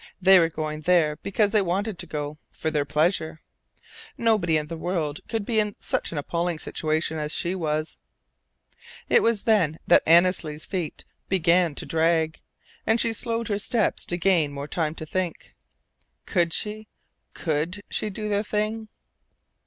They were going there because they wanted to go, for their pleasure. Nobody in the world could be in such an appalling situation as she was. It was then that Annesley's feet began to drag, and she slowed her steps to gain more time to think. Could she could she do the thing?